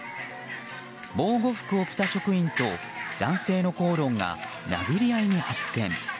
防護服を着た職員と男性の口論が殴り合いに発展。